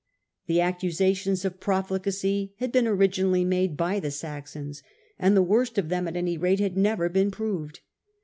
The accusations of profligacy had been originally made by the Saxons, and the worst of them at any rate had never been I proved.